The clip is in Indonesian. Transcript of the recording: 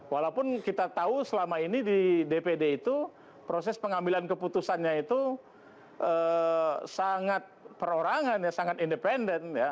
walaupun kita tahu selama ini di dpd itu proses pengambilan keputusannya itu sangat perorangan ya sangat independen ya